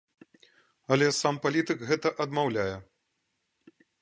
Але сам палітык гэта адмаўляе.